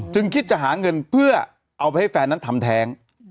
คิดจะหาเงินเพื่อเอาไปให้แฟนนั้นทำแท้ง